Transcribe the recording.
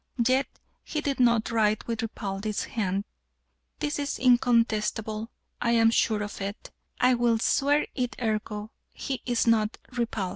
Yet he did not write with Ripaldi's hand this is incontestable, I am sure of it, I will swear it ergo, he is not Ripaldi."